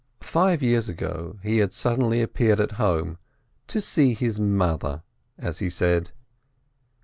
Five years ago he had suddenly appeared at home, "to see his mother," as he said.